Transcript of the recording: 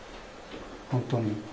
本当に。